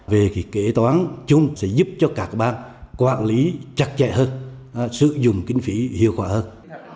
về cái kế toán chung sẽ giúp cho các bang quản lý chặt chẽ hơn sử dụng kinh phí hiệu quả hơn